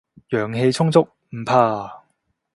陽氣充足，唔怕